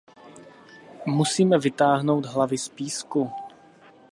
Musíme vytáhnout hlavy z písku.